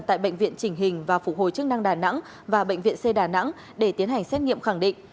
tại bệnh viện chỉnh hình và phục hồi chức năng đà nẵng và bệnh viện c đà nẵng để tiến hành xét nghiệm khẳng định